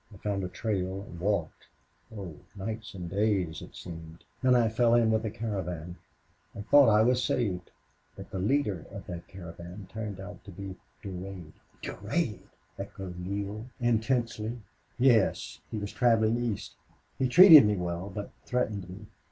I found a trail and walked oh, nights and days it seemed. Then I fell in with a caravan. I thought I was saved. But the leader of that caravan turned out to be Durade." "Durade!" echoed Neale, intensely. "Yes. He was traveling east. He treated me well, but threatened me.